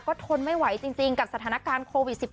ก็ทนไม่ไหวจริงกับสถานการณ์โควิด๑๙